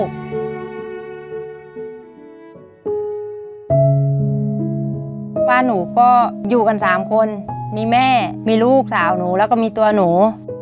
บ้านหนูก็อยู่กัน๓คนมีแม่มีลูกสาวหนูแล้วก็มีตัวหนู